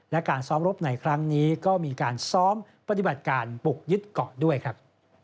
และการซ้อมรบในครั้งนี้ก็มีการซ้อมปฏิบัติการบุกยึดเกาะด้วยครับ